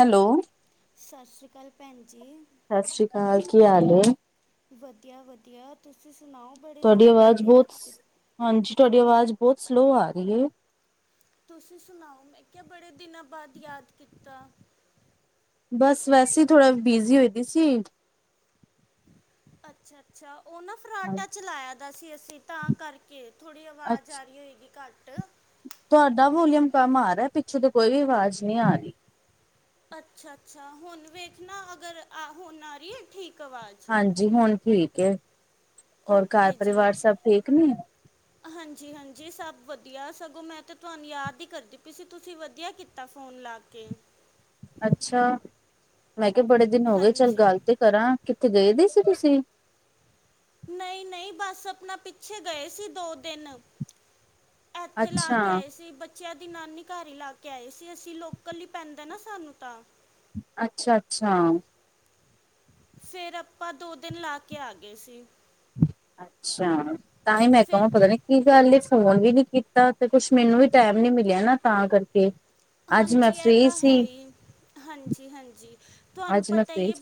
Hello ਸਸ ਸ੍ਰੀ ਕਾਲ ਭੈਣ ਜੀ। ਸਸ ਸ੍ਰੀ ਕਾਲ ਕੀ ਹਾਲ ਏ। ਵਧੀਆ-ਵਧੀਆ ਤੁਸੀਂ ਸੁਣਾਓ ਬੜੇ ਤੁਹਾਡੀ ਦਿਨਾ ਆਵਾਜ਼ ਬਾਦ ਬਹੁਤ ਯਾਦ ਕੀ ਹਾਂਜੀ ਤੁਹਾਡੀ ਆਵਾਜ਼ ਬਹੁਤ ਸਲੋਅ ਆ ਰਹੀ ਹੈ। ਤੁਸੀਂ ਸੁਣਾਓ ਮੈਂ ਕਿਹਾ ਬੜੇ ਦਿਨਾਂ ਬਾਦ ਯਾਦ ਕੀਤਾ। ਬਸ ਵੈਸੇ ਹੀ ਥੋੜਾ ਬਿਜੀ ਹੋਈ ਦੀ ਸੀ। ਅੱਛਾ-ਅੱਛਾ ਉਹ ਨਾ ਹਾਂਜੀ ਫਰਾਟਾ ਚਲਾਇਆ ਦਾ ਸੀ ਅਸੀਂ ਤਾਂ ਕਰਕੇ ਥੋੜ੍ਹੀ ਅੱ ਆਵਾਜ਼ ਆ ਰਹੀ ਹੋਏਗੀ ਘੱਟ। ਤੁਹਾਡਾ ਵੋਲੀਅਮ ਕੰਮ ਆ ਰਿਹਾ ਪਿੱਛੋਂ ਤੋਂ ਕੋਈ ਵੀ ਆਵਾਜ਼ ਨੀ ਆ ਰਹੀ। ਅੱਛਾ-ਅੱਛਾ ਹੁਣ ਵੇਖਣਾ ਅਗਰ ਆ ਹੁਣ ਆ ਰਹੀ ਹੈ ਠੀਕ ਆਵਾਜ਼। ਹਾਂਜੀ ਹੁਣ ਠੀਕ ਏ। ਓਕੇ ਜੀ। ਠੀਕ ਨੇ ਹਾਂਜੀ-ਹਾਂਜੀ ਸਭ ਵਧੀਆ ਸਗੋਂ ਮੈਂ ਤੇ ਤੁਹਾਨੂੰ ਯਾਦ ਹੀ ਕਰਦੀ ਪਈ ਸੀ ਤੁਸੀਂ ਵਧੀਆ ਕੀ ਤਾ ਫ਼ੋਨ ਲਾ ਕੇ। ਅੱਛਾ ਮੈਂ ਕਿਹਾ ਬੜੇ ਦਿਨ ਹੋ ਗਏ ਚੱਲ ਗੱਲ ਹਾਂਜੀ ਤੇ ਕਰਾਂ ਕਿੱਤੇ ਗਏ ਦੇ ਸੀ ਤੁਸੀਂ। ਨਹੀਂ-ਨਹੀਂ ਬਸ ਆਪਣਾ ਪਿੱਛੇ ਗਏ ਸੀ ਦੋ ਦਿਨ। ਇੱਥੇ ਲਾ ਅੱਛਾ ਕੇ ਆਏ ਸੀ ਬੱਚਿਆਂ ਦੀ ਨਾਨੀ ਘਰ ਹੀ ਲਾ ਕੇ ਆਏ ਸੀ ਅਸੀਂ ਲੋਕਲ ਹੀ ਪੈਂਦਾ ਨਾ ਸਾਨੂੰ ਤਾਂ। ਅੱਛਾ ਅੱਛਾ। ਫਿਰ ਆਪਾਂ ਦੋ ਦਿਨ ਲਾ ਕੇ ਆ ਗਏ ਸੀ। ਅੱਛਾ। ਤਾਂ ਹੀ ਮੈਂ ਫਿਰ ਕਹਵਾ ਪਤਾ ਨਹੀਂ ਕੀ ਗੱਲ ਹੈ ਫੋਨ ਵੀ ਨੀ ਕੀਤਾ ਤੇ ਕੁਛ ਮੈਨੂੰ ਵੀ ਟੈਮ ਨੀ ਮਿਲਿਆ ਨਾ ਤਾਂ ਕਰਕੇ। ਤੇ। ਹਾਂਜੀ ਇਹ ਤਾਂ ਹੈ ਹੀ ਹਾਂਜੀ ਹਾਂਜੀ ਤੁਹਾਨੂੰ ਅੱਜ ਮੈਂ ਪਤਾ ਹੀ ਫ੍ਰਰੀ ਏ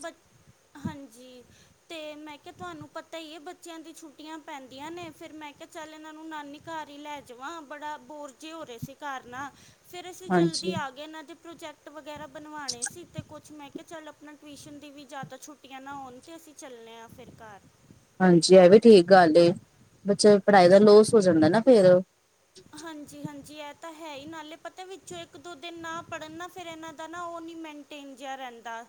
ਹਾਂਜੀ। ਤੇ ਮੈਂ ਕਿਹਾ ਤੁਹਾਨੂੰ ਪਤਾ ਹੀ ਏ ਬੱਚਿਆਂ ਦੀ ਛੁੱਟੀਆਂ ਪੈਂਦੀਆਂ ਨੇ ਫੇਰ ਮੈਂ ਕਿਹਾ। ਚੱਲ ਇਹਨਾਂ ਨੂੰ ਨਾਨੀ ਘਰ ਹੀ ਲੈ ਜਾਵਾਂ ਬੜਾ ਬੋਰ ਜੇ ਹੋ ਰਹੇ ਸੀ ਘਰ ਨਾਲ ਫੇਰ ਅਸੀਂ। ਹਾਂਜੀ, ਆ ਇਹਨਾਂ ਦੇ ਪ੍ਰੋਜੈਕਟ ਵਗੈਰਾ ਬਣਵਾਂਣੇ ਸੀ ਤੇ ਕੁਛ ਮੈਂ ਕਿਹਾ ਚੱਲ ਆਪਣਾ ਟਿਊਸ਼ਨ ਦੀ ਵੀ ਜ਼ਿਆਦਾ। ਛੁੱਟੀਆਂ ਨਾ ਹੋਣ ਤੇ ਅਸੀਂ ਚੱਲੇ ਹਾਂ ਫਿਰ ਘਰ। ਹਾਂਜੀ ਇਹ ਵੀ ਠੀਕ ਗੱਲ ਏ ਬੱਚਿਆਂ ਦੀ ਪੜ੍ਹਾਈ ਦਾ ਲੋਸ ਹੋ ਜਾਂਦਾ ਨਾ ਫੇਰ। ਹਾਂਜੀ ਹਾਂਜੀ ਇਹ ਤਾਂ ਹੈ ਹੀ ਨਾਲੇ ਪਤਾ ਵਿੱਚੋਂ ਇੱਕ ਦੋ ਦਿਨ ਨਾ ਪੜ੍ਹਨ ਨਾ ਫੇਰ ਇਹਨਾਂ ਦਾ ਨਾ ਉਹ ਨੀ। ਮਨਟੇਨ ਜਿਹਾ ਰਹਿੰਦਾ।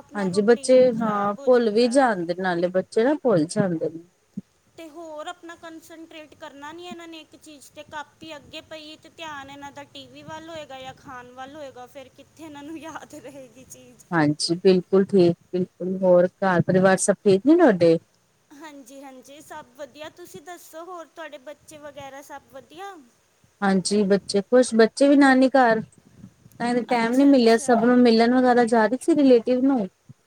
ਆਪਣਾ ਹਾਂਜੀ ਬੱਚੇ ਰੂਟੀਨ ਹਾਂ ਖਰਾਬ ਹੋ ਭੁੱਲ ਜਾਂਦਾ ਵੀ ਹੈ। ਜਾਂਦੇ ਨਾਲੇ ਬੱਚੇ ਨਾ ਭੁੱਲ ਜਾਂਦੇ ਨੇ। ਤੇ ਹੋਰ ਆਪਣਾ ਕੰਸੰਟਰੇੇਟ ਕਰਨਾ ਨੀ ਇਹਨਾਂ ਨੇ ਇੱਕ ਚੀਜ਼ ਤੇ ਕਾਪੀ ਅੱਗੇ ਪਈਏ ਤੇ। ਧਿਆਨ ਇਹਨਾਂ ਦਾ ਟੀ ਵੀ ਵੱਲ ਹੋਏਗਾ ਜਾਂ ਖਾਣ ਵੱਲ ਹੋਏਗਾ ਫੇਰ ਕਿੱਥੇ ਇਹਨਾਂ ਨੂੰ ਯਾਦ ਰਹੇਗੀ ਚੀਜ਼। ਹਾਂਜੀ ਬਿਲਕੁਲ ਠੀਕ ਬਿਲਕੁਲ ਹੋਰ ਘਰ ਪਰਿਵਾਰ ਸਭ ਠੀਕ ਨੇ ਤੁਹਾਡੇ। ਹਾਂਜੀ ਹਾਂਜੀ ਸਭ ਵਧੀਆ ਤੁਸੀਂ ਦੱਸੋ ਹੋਰ ਤੁਹਾਡੇ ਬੱਚੇ ਵਗੈਰਾ ਸਭ ਵਧੀਆ। ਹਾਂਜੀ ਬੱਚੇ ਖੁਸ਼ ਬੱਚੇ ਵੀ ਨਾਨੀ ਘਰ। ਟੈਮ ਨੀ ਅੱਛਾ ਮਿਲਿਆ ਸਭ ਅੱਛਾ ਨੂੰ ਮਿਲਣ ਵਗੈਰਾ ਜਾ ਰਹੀ ਸੀ ਰਿਲੇਟਿਵ ਨੂੰ।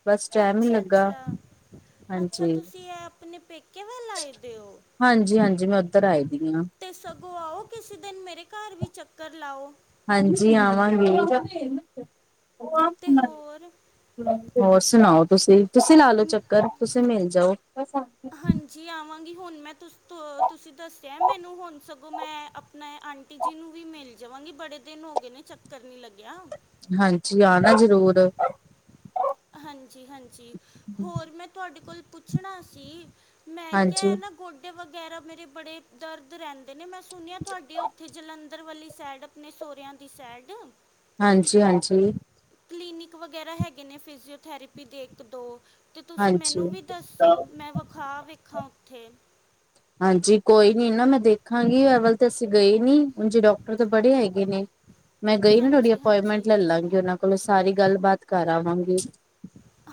ਬਸ ਟੈਮ ਨਹੀਂ ਅੱਛਾ ਲੱਗਾ। ਅੱਛਾ ਅੱਛਾ ਹਾਂਜੀ, ਤੁਸੀਂ ਇਹ ਆਪਣੇ ਪੇਕੇ ਵੱਲ ਆਏ ਦੇ ਹੋ। ਹਾਂਜੀ ਹਾਂਜੀ ਮੈਂ ਉੱਧਰ ਆਈ ਦੀ ਹਾਂ। ਤੇ ਸਗੋਂ ਆਓ ਕਿਸੇ ਦਿਨ ਮੇਰੇ ਘਰ ਵੀ ਚੱਕਰ ਲਾਓ। ਹਾਂਜੀ ਆਵਾਂਗੀ। ਤੇ ਹੋਰ। ਹੋਰ ਸੁਣਾਓ ਤੁਸੀਂ ਤੁਸੀਂ ਲਾ ਲਓ ਚੱਕਰ ਤੁਸੀਂ ਮਿਲ ਜਾਓ। ਹਾਂਜੀ ਆਵਾਂਗੀ ਹੁਣ ਮੈਂ ਤੁ ਤੁਸੀਂ ਦੱਸਿਆ ਮੈਨੂੰ ਹੁਣ ਸਗੋਂ ਮੈਂ। ਮੈਂ ਆਂਟੀ ਜੀ ਨੂੰ ਵੀ ਮਿਲ ਜਾਵਾਂਗੀ ਬੜੇ ਦਿਨ ਹੋ ਗਏ ਨੇ ਚੱਕਰ ਨਹੀਂ ਲੱਗਿਆ। ਹਾਂਜੀ ਆਣਾ ਜ਼ਰੂਰ। ਹਾਂਜੀ ਹਾਂਜੀ ਹੋਰ ਮੈਂ ਤੁਹਾਡੇ ਕੋਲ ਪੁੱਛਣਾ ਸੀ। ਮੈਂ ਕਿਹਾ ਹਾਂਜੀ ਇਹ ਨਾ ਗੋਡੇ ਵਗੈਰਾ ਮੇਰੇ ਬੜੇ ਦਰਦ ਰਹਿੰਦੇ। ਨੇ ਮੈਂ ਸੁਣਿਆ ਤੁਹਾਡੀੇ ਉੱਥੇ ਜਲੰਧਰ ਵਾਲੀ ਸੈਡ ਆਪਣੇ ਸਹੁਰਿਆਂ ਦੀ ਸੈਡ ਹਾਂਜੀ ਹਾਂਜੀ ਕਲੀਨਿਕ ਵਗੈਰਾ ਹੈਗੇ ਨੇ ਫਿਜ਼ਓਥੈਰੇਪੀ ਦੇ ਇੱਕ ਦੋ ਤੇ ਤੁਸੀਂ ਹਾਂਜੀ ਮੈਨੂੰ ਵੀ ਦੱਸੋ ਮੈਂ ਵਿਖਾ ਵੇਖਾਂ ਉੱਥੇ ਹਾਂਜੀ ਕੋਈ ਨੀ ਨਾ ਮੈਂ ਦੇਖਾਂਗੀ ਅ ਵੱਲ ਤੇ ਅਸੀਂ ਗਏ ਨੀ ਹ ਜੇ ਡਾਕਟਰ ਤੇ ਬੜੇ ਹੈਗੇ ਨੇ ਮੈਂ ਗਈ ਨਾ ਤੁਹਾਡੀ ਹਾਂਜੀ ਅਪੋਇੰਟਮੈਂਟ ਹਾਂਜੀ ਲੈ ਲਾਂਗੀ ਉਹਨਾਂ ਕੋਲੋਂ ਸਾਰੀ ਗੱਲਬਾਤ ਕਰ ਆਵਾਂਗੀ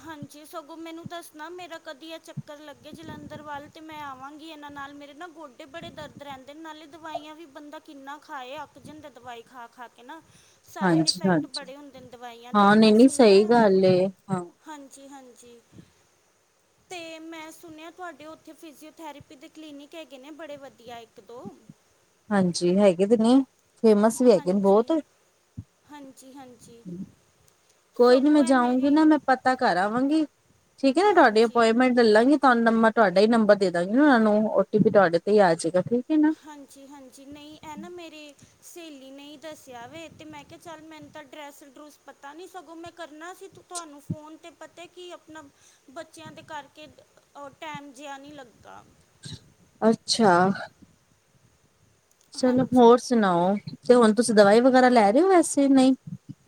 ਹਾਂਜੀ ਸਗੋਂ ਮੈਨੂੰ ਦੱਸਣਾ ਮੇਰਾ ਕਦੀ ਆ ਚੱਕਰ ਲੱਗੇ ਜਲੰਧਰ ਵੱਲ ਤੇ ਮੈਂ ਆਵਾਂਗੀ ਇਹਨਾਂ ਨਾਲ ਮੇਰੇ ਨਾ ਗੋਡੇ ਬੜੇ ਦਰਦ ਰਹਿੰਦੇ ਨੇ ਨਾਲੇ ਦਵਾਈਆਂ ਵੀ ਬੰਦਾ ਕਿੰਨਾ ਖਾਏ ਅੱਕ ਜਾਂਦੈ ਦਵਾਈ ਖਾ ਖਾ ਕੇ ਨਾ ਸਾਈਡ ਹਾਂਜੀ ਇਫੈਕਟ ਹਾਂਜੀ ਬੜੇ ਹੁੰਦੇ ਨੇ ਦਵਾਈਆਂ ਦੇ ਹਾਂ ਤੇ ਨਹੀਂ ਮੈਂ ਨਹੀਂ ਸੁਣਿਆ ਸਹੀ ਹੈ- ਗੱਲ ਏ ਹਾਂਜੀ ਹਾਂਜੀ [unintelligible] [inaudible] ਤੇ ਮੈਂ ਸੁਣਿਆ ਤੁਆਡੇ ਉੱਥੇ ਫਿਜ਼ਓਥੈਰੇਪੀ ਦੇ ਕਲੀਨਿਕ ਹੈਗੇ ਨੇ ਬੜੇ ਵਧੀਆ ਇੱਕ-ਦੋ ਹਾਂਜੀ ਹੈਗੇ ਤੇ ਨੇ। ਫੇਮਸ ਵੀ ਹੈਗੇ ਨੇ ਬੋਤ। ਹਾਂਜੀ ਹਾਂਜੀ ਹਾਂਜੀ ਕੋਈ ਨੀ ਸਗੋਂ ਮੈਂ ਇਹ ਜਾਊਂਗੀ ਮੇਰੀ ਨਾ ਮੈਂ ਪਤਾ ਕਰ ਆਵਾਂਗੀ ਠੀਕ ਐ ਨਾ ਤੁਹਾਡੀ ਹਾਂਜੀ ਅਪੋਇੰਟਮੈਂਟ ਦਿਲਾਂਗੇ ਤੁਆਨੂੰ ਨੰ ਮੈਂ ਤੁਹਾਡਾ ਹੀ ਨੰਬਰ ਦੇ ਦਾਂਗੀ ਨਾ ਓਨੂੰ ਓ ਟੀ ਪੀ ਤੁਆਡੇ ਤੇ ਈ ਆ ਜੇਗਾ ਠੀਕ ਏ ਨਾ। ਹਾਂਜੀ-ਹਾਂਜੀ, ਨਈ ਐ ਨਾ ਮੇਰੇ ਸਹੇਲੀ ਨੇ ਈ ਦੱਸਿਆ ਵੇ ਤੇ ਮੈਂ ਕਿਹਾ ਚੱਲ ਮੈਨੂੰ ਤਾਂ ਡਰੈਸ ਡਰੂਸ ਪਤਾ ਨੀ ਸਗੋਂ ਮੈਂ ਕਰਨਾ ਸੀ। ਤੁਹਾਨੂੰ ਫੋਨ 'ਤੇ ਪਤਾ ਕਿ ਆਪਣਾ ਬੱਚੇਆਂ ਦੇ ਕਰਕੇ ਅ ਟੈਮ ਜਿਆ ਨੀ ਲੱਗਦਾ। ਅੱਛਾ। ਚਲੋ ਹੋਰ ਹਾਂਜੀ ਸੁਣਾਓ ਤੇ ਹੁਣ ਤੁਸੀਂ ਦਵਾਈ ਵਗੈਰਾ ਲੈ ਰਹੇ ਓ ਵੈਸੇ ਨਈ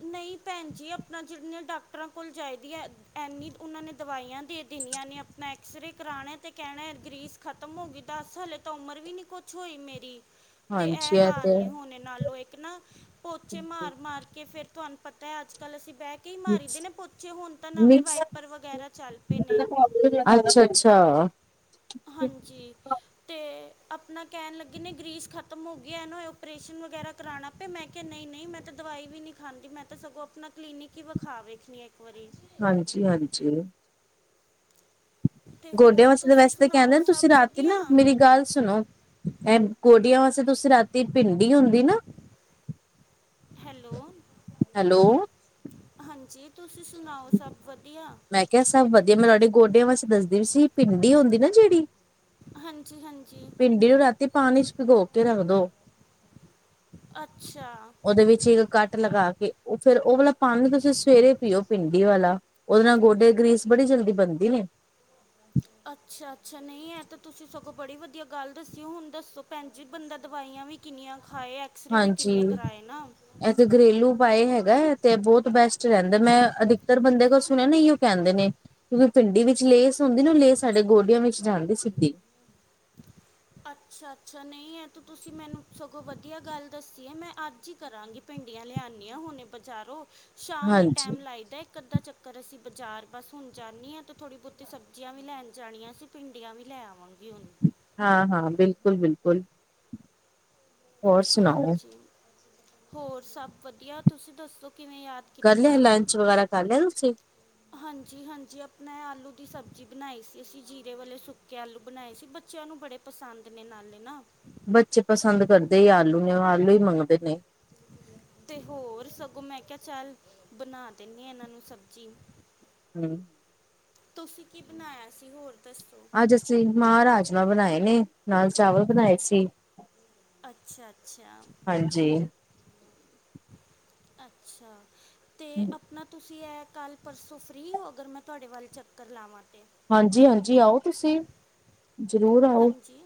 ਨਹੀਂ ਭੈਣ ਜੀ ਆਪਣਾ ਜਿੰਨੇ ਡਾਕਟਰਾਂ ਕੋਲ ਜਾਈਦੀ ਐ। ਐਨੀ ਓਨਾਂ ਨੇ ਦਵਾਈਆਂ ਦੇ ਦੇਣੀਆਂ ਨੇ ਆਪਣਾ ਐਕਸਰੇ ਕਰਾਣਾ ਤੇ ਕੈਹਨਾ ਗ੍ਰੀਸ ਖਤਮ ਹੋ ਗਈ ਦਸ ਹਾਲੇ ਤਾਂ ਉਮਰ ਵੀ ਨੀ ਕੁਛ ਹੋਈ ਮੇਰੀ ਤੇ ਹਾਂਜੀ ਐ ਇਹ ਤੇ ਹਾਲ ਨੇ ਹੋਣੇ ਨਾਲੋਂ ਇੱਕ ਨਾ ਪੋਚੇ ਮਾਰ ਮਾਰ ਕੇ ਫਿਰ ਤੁਹਾਨੂੰ ਪਤਾ ਹੈ ਅੱਜਕੱਲ੍ਹ ਅਸੀਂ ਬਹਿ ਕੀ ਮਾਰੀ ਦੇ ਨੇ ਪੋਚੇ ਹੁਣ ਤਾਂ ਨਵੇਂ ਵਾਈਪਰ ਵਗੈਰਾ ਚੱਲ ਪਏ ਨੇ। ਅੱਛਾ-ਅੱਛਾ। ਹਾਂਜੀ। ਤੇ ਆਪਣਾ ਕੈਹਣ ਲੱਗੇ ਨੇ ਗਰੀਸ ਖਤਮ ਹੋ ਗਈ ਏਨੂੰ ਓਪਰੇਸ਼ਨ ਵਗੈਰਾ ਕਰਾਨਾ ਪਏ ਮੈਂ ਕਿਹਾ ਨਈ-ਨਈ ਮੈ ਤਾਂ ਦਵਾਈ ਵੀ ਨੀ ਖਾਂਦੀ ਮੈਂ ਤਾਂ ਸਗੋਂ ਆਪਣਾ ਕਲੀਨਿਕ ਈ ਵਿਖਾ ਵੇਖਣੀ ਇੱਕ ਵਾਰੀ ਹਾਂਜੀ-ਹਾਂਜੀ। ਅਤੇ ਗੋਡਿਆਂ ਹੋਰ ਵਾਸਤੇ ਤੁਸੀਂ ਵੈਸੇ ਸੁਣਾਓ ਕੈਹਦੇ ਸਭ ਤੁਸੀਂ ਰਾਤੀ ਨਾ ਵਧੀਆ ਮੇਰੀ ਗੱਲ ਸੁਣੋ। ਐ ਗੋਡੀਆਂ ਵਾਸਤੇ ਤੁਸੀਂ ਰਾਤੀ ਭਿੰਡੀ ਹੁੰਦੀ ਨਾ। ਹੈਲੋ, ਹੈਲੋ ਹਾਂਜੀ ਤੁਸੀਂ ਸੁਣਾਓ? ਸਭ ਵਧੀਆ? ਮੈਂ ਕਿਹਾ ਸਭ ਵਧੀਆ ਮੈਂ ਤੁਹਾਡੇ ਗੋਡਿਆਂ ਵਾਸਤੇ ਦੱਸਦੀ ਸੀ ਭਿੰਡੀ ਹੁੰਦੀ ਨਾ ਜੇੜੀ। ਹਾਂਜੀ-ਹਾਂਜੀ। ਭਿਡੀ ਨੂੰ ਰਾਤੀ ਪਾਣੀ ਚ ਭਿਗੋ ਕੇ ਰੱਖਦੋ। ਅੱਛਾ। ਓਦੇ ਵਿੱਚ ਇੱਕ ਕੱਟ ਲਗਾ ਕੇ ਉਹ ਫੇਰ ਓ ਵਾਲਾ ਪਾਣੀ ਤੁਸੀਂ ਸਵੇਰੇ ਪੀਓ ਭਿੰਡੀ ਵਾਲਾ ਓਦੇ ਨਾ ਗੋਡੇ ਗਰੀਸ ਬੜੀ ਜਲਦੀ ਬਣਦੀ ਐ। ਅੱਛਾ-ਅੱਛਾ ਨਈ ਐ ਤਾਂ ਤੁਸੀਂ ਸਗੋਂ ਬੜੀ ਵਧੀਆ ਗੱਲ ਦੱਸੀ ਹੁਣ ਦੱਸੋ ਭੈਣਜੀ ਬੰਦਾ ਦਵਾਈਆਂ ਵੀ ਕਿੰਨੀਆਂ ਖਾਏ ਐਕਸਰੇ ਵੀ ਹਾਂਜੀ ਕਿੰਨੇ ਕਰਾਏ ਨਾ। ਇਹ ਤੇ ਗਰੇਲੂ ਓਪਾਏ ਹੈਗਾ ਤੇ ਬੋਤ ਬੈਸਟ ਰਹਿੰਦਾ ਮੈਂ ਅਧਿਕਤਰ ਬੰਦੇ ਕੋ ਸੁਣਿਆ ਨਾ। ਕੈਹਦੇ ਨੇ ਕਿਉਂਕਿ ਭਿੰਡੀ ਵਿੱਚ ਲੇਸ ਹੁੰਦੀ ਨਾ ਲੇਸ ਸਾਡੇ ਗੋਡਿਆਂ ਵਿੱਚ ਜਾਂਦੀ ਸਿੱਧੀ। ਅੱਛਾ-ਅੱਛਾ ਨਈ ਐ ਤੇ ਤੁਸੀਂ ਮੈਨੂੰ ਸਗੋਂ ਵਧੀਆ ਗੱਲ ਦੱਸੀ ਐ ਮੈਂ ਅੱਜ ਈ ਕਰਾਂਗੀ। ਭਿੰਡੀਆਂ ਲਿਆਂਣੀ ਆਂ ਹੁਣੇ ਬਜ਼ਾਰੋਂ ਸ਼ਾਮ ਦਾ ਹਾਂਜੀ। ਟੈਮ ਲਾਈਦਾ ਇੱਕ ਅੱਧਾ ਚ ਪਰ ਅਸੀਂ ਬਾਜ਼ਾਰ ਬਸ ਹੁਣ ਜਾਣੀ ਆ ਤੇ ਥੋੜ੍ਹੀ ਬੋਤੀ ਸਬਜ਼ੀਆਂ ਵੀ ਲੈਣ ਜਾਣੀਆਂ ਅਸੀਂ ਭਿੰਡੀਆਂ ਵੀ ਲੈ ਆਵਾਂਗੀ ਹੁਣ ਹਾਂ-ਹਾਂ, ਬਿਲਕੁਲ-ਬਿਲਕੁਲ ਹੋਰ ਸੁਣਾਓ ਹਾਂਜੀ, ਹੋਰ ਸਭ ਵਧੀਆ ਤੁਸੀਂ ਦੱਸੋ ਕਿਵੇਂ ਯਾਦ ਕਰ ਕੀਤਾ ਲਿਆ, ਲੰਚ ਵਗੈਰਾ ਕਰ ਲਿਆ ਤੁਸੀਂ? ਹਾਂਜੀ-ਹਾਂਜੀ, ਆਪਣੇ ਆਲੂ ਦੀ ਸਬਜ਼ੀ ਬਣਾਈ ਸੀ ਅਸੀਂ ਜੀ਼ਰੇ ਵਾਲੇ ਸੁੱਕੇ ਕੇ ਆਲੂ ਬਨਾਏ ਸੀ ਬੱਚੇਆਂ ਨੂੰ ਬੜੇ ਪਸੰਦ ਨੇ ਨਾਲੇ ਨਾ ਬੱਚੇ ਪਸੰਦ ਕਰਦੇ ਈ ਆਲੂ ਨੂੰ ਆਲੂ ਈ ਮੰਗਦੇ ਨੇ ਤੇ ਹੋਰ ਸਗੋਂ, ਮੈਂ ਕਿਆ ਚੱਲ ਬਣਾ ਦੇਨੀ ਆ ਏਨਾ ਨੂੰ ਸਬਜ਼ੀ ਹੂੰ। ਤੁਸੀਂ ਕੀ ਬਣਾਇਆ ਸੀ, ਹੋਰ ਦੱਸੋ? ਅੱਜ ਅਸੀਂ ਮਾਂ ਰਾਜਮਾਂ ਬਣਾਏ ਨੇ, ਨਾਲ ਚਾਵਲ ਬਣਾਏ ਸੀ। ਅੱਛਾ-ਅੱਛਾ। ਹਾਨਜੀ। ਅੱਛਾ, ਤੇ ਆਪਣਾ ਤੁਸੀਂ ਐਹ ਕੱਲ ਪਰਸੋਂ ਫਰੀ ਹੋ, ਅਗਰ ਮੈਂ ਤੁਹਾਡੇ ਵੱਲ ਚੱਕਰ ਲਾਵਾਂ ਤੇ। ਹਾਂਜੀ- ਹਾਂਜੀ, ਆਓ ਤੁਸੀਂ, ਜ਼ਰੂਰ ਆਓ। ਹਾਂਜੀ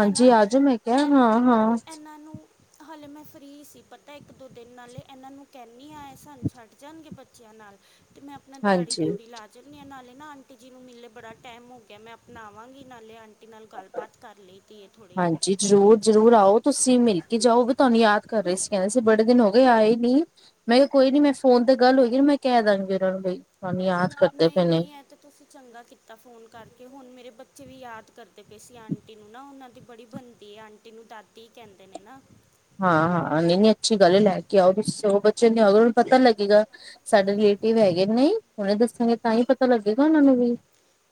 ਹੈ ਨਾ ਆ ਜਾਓ, ਮੈਂ ਕਿਹਾ ਐਮ ਹਾਂ- ਹਾਂ। ਇਹਨਾਂ ਨੂੰ ਹਾਲੇ, ਮੈਂ ਫਰੀ ਸੀ, ਪਤਾ ਇੱਕ- ਦੋ ਦਿਨ ਨਾਲੇ ਇਹਨਾਂ ਨੂੰ ਕਹਨੀ ਆ, ਇਹ ਸਾਨੂੰ ਛੱਡ ਜਾਣਗੇ ਬੱਚਿਆਂ ਨਾਲ ਤੇ ਮੈਂ ਆਪਣਾ ਦਿਹਾੜੀ ਹਾਂਜੀ। ਦਿਉੜੀ ਲਾ ਚੱਲ ਨਾਲੇ ਨਾ ਆਂਟੀ ਜੀ ਨੂੰ ਮਿਲੇ ਬੜਾ ਟੈਮ ਹੋ ਗਿਆ, ਮੈਂ ਆਪਣਾ ਆਵਾਂਗੀ ਨਾਲੇ, ਆਂਟੀ ਨਾਲ ਗੱਲਬਾਤ ਕਰ ਲਈ ਦੀ ਏ ਥੋੜੀ। ਜੀ, ਜ਼ਰੂਰ- ਜਰੂਰ ਆਓ ਤੁਸੀਂ, ਮਿਲ ਕੇ ਜਾਓ, ਇਹ ਵੀ ਤੁਹਾਨੂੰ ਯਾਦ ਕਰ ਰਹੇ ਸੀ, ਕਹ ਸੀ ਬੜੇ ਦਿਨ ਹੋ ਗਏ ਆਏ ਨੀ। ਮੈਂ ਕਿਹਾ ਕੋਈ ਨੀ, ਮੈਂ ਫੋਨ ਤੇ ਗੱਲ ਹੋਏ ਗੀ, ਮੈਂ ਕਹਿ ਦਾਂਗੀ ਉਹਨਾਂ ਨੂੰ ਬਈ [unintelligible] ਨਹੀਂ- ਨੇ। ਨਹੀਂ, ਐਂ ਤਾਂ ਤੁਸੀਂ ਚੰਗਾ ਕੀਤਾ ਫੋਨ ਕਰਕੇ, ਹੁਣ ਮੇਰੇ ਬੱਚੇ ਵੀ ਯਾਦ ਕਰਦੇ ਪਏ ਸੀ, ਆਂਟੀ ਨੂੰ ਨਾ, ਉਹਨਾਂ ਦੀ ਬੜੀ ਬਣਦੀ ਏ, ਆਂਟੀ। ਟੀ ਨੂੰ, ਦਾਦੀ ਕਹਿੰਦੇ ਨੇ ਨਾ। ਹਾਂ- ਹਾਂ, ਨਹੀਂ- ਨਹੀਂ, ਅੱਛੀ ਗੱਲ ਹੈ ਲੈ ਕੇ ਆਓ ਵੀ ਉਹ ਬੱਚੇ ਨੂੰ ਲਿਆਓ ਨਾ ਪਤਾ ਲੱਗੇਗਾ। ਸਾਡੇ ਰਿਲੇਟਿਵ ਹੈਗੇ ਨੇ, ਹੁਣੇ ਦੱਸਾਂਗੇ ਤਾਂ ਈ ਪਤਾ ਲੱਗੇਗਾ ਉਹਨਾ ਨੂੰ ਵੀ।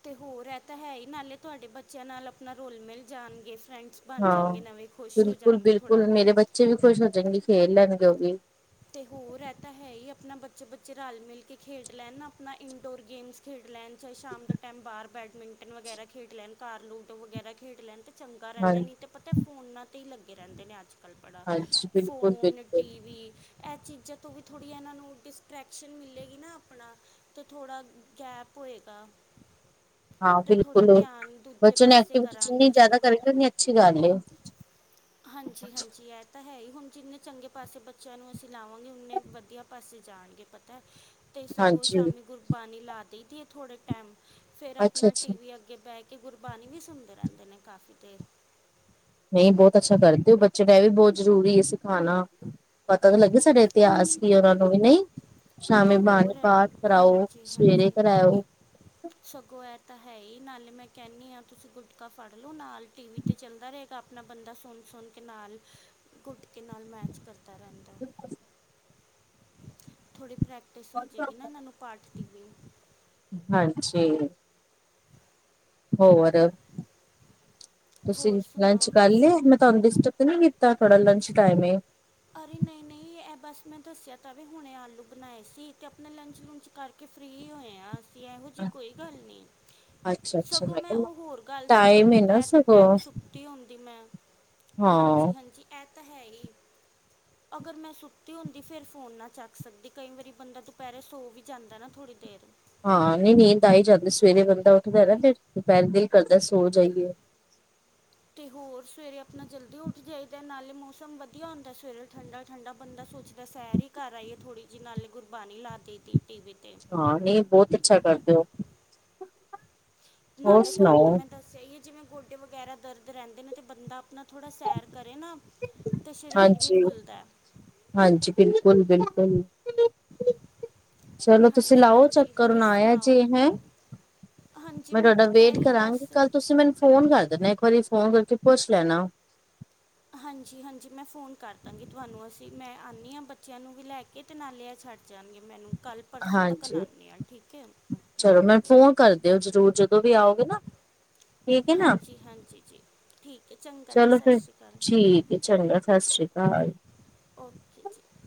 ਤੇ ਹੋਰ ਇਹ ਤਾਂ ਹੈ ਹੀ, ਨਾਲੇ ਤੁਹਾਡੇ ਬੱਚਿਆਂ ਨਾਲ ਅਪਣਾ ਰੋਲ- ਮਿਲ ਜਾਣਗੇ ਫਰੈਂਡਸ। ਬਣ ਹਾਂ। ਜਣਗੇ ਨਵੇਂ, ਖੁਸ਼ ਹੋ ਬਿਲਕੁਲ ਜਾਣਗੇ ਬਿਲਕੁਲ ਥੋੜਾ। ਮੇਰੇ ਬੱਚੇ ਵੀ ਖੁਸ਼ ਹੋ ਜਾਣਗੇ, ਖੇਲ ਲੈਣਗੇ ਉਹ ਵੀ। ਤੇ ਹੋਰ ਇਹ ਤਾਂ ਹੈ ਈ ਆਪਣਾ ਬੱਚੇ- ਬੱਚੇ ਰਲ- ਮਿਲ ਕੇ ਖੇਡ ਲੈਣ ਆਪਣਾ ਇਨਡੋਰ ਗੇਮਸ ਖੇਡ ਲੈਣ। ਚਾਹੇ ਸ਼ਾਮ ਦੇ ਟਾਈਮ ਬਾਹਰ ਬੈਡਮਿੰਟਨ ਵਗੈਰਾ ਖੇਡ ਲੈਣ, ਘਰ ਲੂਡੋ ਵਗੈਰਾ ਖੇਡ ਲੈਣ ਤੇ ਚੰਗਾ ਹਾਂ ਰਹਿੰਦਾ ਨਹੀਂ ਅਤੇ ਪਤਾ ਫੋਨਾਂ 'ਤੇ ਹੀ ਲੱਗੇ ਰਹਿੰਦੇ ਨੇ ਅੱਜ-ਕੱਲ। ਬੜਾ ਹਾਂਜੀ ਬਿਲਕੁਲ ਫੋਨ, ਬਿਲਕੁਲ ਟੀ ਵੀ। ਇਹ ਚੀਜ਼ਾਂ ਤੋਂ ਵੀ ਥੋੜੀ ਇਹਨਾਂ ਨੂੰ ਡਿਸਟਰੈਕਸ਼ਨ ਮਿਲੇਗੀ ਨਾ ਆਪਣਾ। ਤਾਂ ਥੋੜਾ, ਗੈਪ ਹੋਏਗਾ। ਹਾਂ ਅਤੇ ਥੋੜ੍ਹਾ ਬਿਲਕੁਲ ਧਿਆਨ ਦੂਜੇ ਬੱਚਿਆਂ ਨੂੰ ਪਾਸੇ ਐਕਟੀਵਿਟੀ ਜਿੰਨੀ ਕਰਾਂਗੇ ਜ਼ਿਆਦਾ ਅਸੀਂ ਕਰਨਗੇ, ਉਨੀ ਅੱਛੀ ਗੱਲ ਐ। ਹਾਂਜੀ- ਹਾਂਜੀ, ਇਹ ਤਾਂ ਹੈ ਈ, ਹੁਣ ਜਿੰਨੇ ਚੰਗੇ ਪਾਸੇ ਬੱਚਿਆਂ ਨੂੰ ਲਾਵਾਂਗੇ, ਉਨੇ ਵਧੀਆ ਪਾਸੇ ਜਾਣਗੇ, ਪਤਾ ਐ। ਤੇ ਸਗੋਂ ਹਾਂਜੀ ਸ਼ਾਮੀ ਗੁਰਬਾਣੀ ਲਾ ਦੇਈ ਦੀ ਏ ਥੋੜੇ ਟਾਈਮ, ਫੇਰ ਅੱਛਾ ਆਪਣਾ ਟੀ ਅੱਛਾ ਵੀ ਅੱਗੇ ਬਹਿ ਕੇ ਗੁਰਬਾਣੀ ਵੀ ਸੁਣਦੇ ਰਹਿੰਦੇ ਨੇ ਕਾਫੀ ਦੇਰ। ਨਹੀਂ, ਬਹੁਤ ਅੱਛਾ ਕਰਦੇ ਓ, ਬੱਚੇ ਨੂੰ ਇਹ ਵੀ ਬਹੁਤ ਜ਼ਰੂਰੀ ਐ ਸਿਖਾਣਾ। ਪਤਾ ਵੀ ਲੱਗੇ ਸਾਡੇ ਇਤਿਹਾਸ ਕੀ ਐ, ਉਹਨਾਂ ਨੂੰ ਵੀ ਨਹੀਂ। ਅਤੇ ਸ਼ਾਮੀ ਬਾਣੀ ਹੋਰ ਪਾਠ ਕਰਾਓ, ਹਾਂਜੀ ਸਵੇਰੇ ਹਾਂਜੀ ਕਰਾਓ। ਸਗੋਂ ਇਹ ਤਾਂ ਹੈ ਈ, ਨਾਲੇ ਮੈਂ ਕਹਿੰਨੀ ਆਂ, ਤੁਸੀਂ ਗੁਟਕਾ ਫੜ ਲਉ ਨਾਲ ਟੀ ਵੀ ਤੇ ਚਲਦਾ ਰਹੇਗਾ, ਆਪਣਾ ਬੰਦਾ ਸੁਣ-ਸੁਣ ਕੇ ਨਾਲ ਗੁਟਕੇ ਨਾਲ ਮੈਚ ਕਰਦਾ ਰਹਿੰਦਾ ਐ। ਬਿਲਕੁਲ। ਥੋੜੀ ਪ੍ਰੈਕਟਿਸ ਹੋਜੇਗੀ ਨਾ, ਇਹਨਾਂ ਨੂੰ ਪਾਠ ਦੀ ਵੀ। ਹਾਨਜੀ। ਹੋਰ ਵਧੀਆ ਤੁਸੀਂ ਹੋਰ ਲੰਚ ਸੁਣਾਓ ਕਰ ਲੇ ਤੁਸੀਂ ਮ- ਤੰਦਸ਼ਟ ਤੇ ਨੀ ਕੀਤਾ ਤੁਹਾਡਾ ਲੰਚ ਟਾਈਮ ਏ। ਅਰੇ ਨਈ ਨਈਂ, ਇਹ ਬਸ ਮੈਂ ਦੱਸਿਆ ਤਾਂ ਵੇ ਹੁਣੇ ਆਲੂ ਬਣਾਏ ਸੀ ਤੇ ਆਪਣੇ ਲੰਚ-ਲੁਂਚ ਕਰਕੇ ਫਰੀ ਹੋਏ ਆਂ ਅਸੀਂ, ਇਹੋ ਜਿਹੀ ਕੋਈ ਗੱਲ ਨਈਂ। ਅੱਛਾ ਅੱਛਾ ਸਗੋਂ ਮੈਂ ਕਿਹਾ ਉਹ ਹੋਰ ਗੱਲ ਸੀ ਅਗਰ ਟਾਈਮ ਏ ਨਾ ਦੁਪਹਿਰ ਦੇ ਸਗੋਂ ਟਾਈਮ ਸੁ ਤੀ ਹੰਦੀ ਮੈਂ, ਹਾਂ ਹਾਂਜੀ ਹਾਂਜੀ, ਇਹ ਤਾਂ ਹੈ ਈ। ਅਗਰ ਮੈਂ ਸੁੱਤੀ ਹੁੰਦੀ ਫਿਰ ਫੋਨ ਨਾ ਚੱਕ ਸਕਦੀ ਕਈ ਵਾਰੀ ਬੰਦਾ ਦੁਪਹਿਰੇ ਸੋ ਵੀ ਜਾਂਦਾ ਨਾ ਥੋੜ੍ਹੀ ਦੇਰ। ਹਾਂ ਨਈਂ ਨੀਂਦ ਆ ਈ ਜਾਂਦੀ ਸਵੇਰੇ ਬੰਦਾ ਉੱਠਦਾ ਨਾ ਫ਼ਿਰ ਦੁਪਹਿਰ ਦਿਲ ਕਰਦਾ ਸੋ ਜਾਈਏ। ਤੇ ਹੋਰ ਸਵੇਰੇ ਆਪਣਾ ਜਲਦੀ ਉੱਠ ਜਾਈਦਾ ਨਾਲੇ ਮੌਸਮ ਵਧੀਆ ਹੁੰਦਾ ਸਵੇਰੇ ਠੰਡਾ-ਠੰਡਾ ਬੰਦਾ ਸੋਚਦਾ ਸੈਰ ਈ ਕਰ ਆਈਏ ਥੋੜ੍ਹੀ ਜਿਹੀ ਨਾਲੇ ਗੁਰਬਾਣੀ ਲਾਦੀ ਦੀ ਟੀ ਵੀ ਤੇ। ਹਾਂ, ਨਈਂ ਬਹੁਤ ਅੱਛਾ ਕਰਦੇ ਔ। ਨਾਲੇ ਤੁਹਾਨੂੰ ਤਾਂ ਮੈਂ ਦੱਸਿਆ ਈਏ ਜਿਵੇਂ ਗੋਡੇ ਵਗੈਰਾ ਦਰਦ ਰਹਿੰਦੇ ਨੇ ਤਾਂ ਬੰਦਾ ਆਪਣਾ ਥੋੜ੍ਹਾ ਸੈਰ ਕਰੇ ਨਾ ਤੇ ਸਰੀਰ ਵੀ ਹਾਂਜੀ ਖੁੱਲਦਾ ਐ। ਹਾਂਜੀ ਬਿਲਕੁਲ ਬਿਲਕੁਲ। [inaudible] ਚਲੋ ਤੁਸੀਂ ਹਾਂਜੀ ਲਾਓ ਹਾਂਜੀ ਚੱਕਰ ਹੋਰ ਹੁਨ ਆਇਆ ਸੁਣਾਓ ਜੇ, ਹੈਂ? ਹਾਂਜੀ ਮੈਂ ਤੁਹਾਡਾ ਤਾਂ ਕਹਿ ਵੇਟ ਰਹੀ ਹਾਂ ਬਸ ਕਰਾਂਗੀ, ਕੱਲ ਤੁਸੀਂ ਮੈਨੂੰ ਫੋਨ ਕਰ ਦੇਣਾ ਇੱਕ ਵਾਰੀ ਫੋਨ ਕਰਕੇ ਪੁੱਛ ਲੈਣਾ। ਹਾਂਜੀ ਹਾਂਜੀ, ਮੈਂ ਫ਼ੋਨ ਕਰ ਦਾਂਗੀ ਤੁਹਾਨੂੰ ਅਸੀਂ ਮੈਂ ਆਣੀ ਆਂ ਬੱਚਿਆਂ ਨੂੰ ਵੀ ਲੈ ਕੇ ਇਹ ਤੇ ਨਾਲੇ ਏ ਛੱਡ ਜਾਣਗੇ ਮੈਨੂੰ, ਕੱਲ੍ਹ ਪਰਸੋਂ ਤੱਕ ਹਾਂਜੀ ਆਣੇ ਆਂ ਠੀਕ ਐ। ਚਲੋ ਮੈਂਨੂੰ ਫੋਨ ਕਰ ਦਿਓ ਜ਼ਰੂਰ ਜਦੋਂ ਵੀ ਆਓਗੇ ਨਾ। ਠੀਕ ਹੈ ਨਾ ਹਾਂਜੀ ਹਾਂਜੀ ਜੀ, ਠੀਕ ਐ ਚੰਗਾ ਜੀ, ਚਲੋ ਸਤਿ ਫਿਰ ਸ਼੍ਰੀ ਅਕਾਲ। ਠੀਕ ਚੰਗਾ ਸਤਿ ਸ੍ਰੀ ਅਕਾਲ। ਓਕੇ ਜੀ।